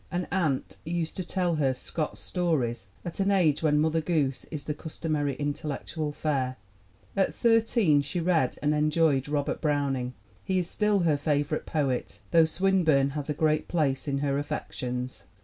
An aunt used to tell her Scott's stories at an age when Mother Goose is the customary intellectual fare. At thirteen she read and enjoyed Robert Browning. He is still her favorite poet, though Swinburne has a great place in her affections.